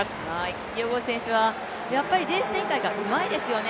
キピエゴン選手はレース展開がうまいですよね。